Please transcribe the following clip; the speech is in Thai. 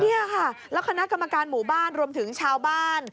นี่ค่ะแล้วคณะกรรมการหมู่บ้านรวมถึงชาวบ้าน